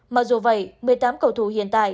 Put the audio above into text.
mặc dù vậy một mươi tám cầu thủ hiện tại